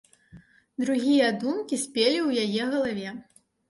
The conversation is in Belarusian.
Другія думкі спелі ў яе галаве.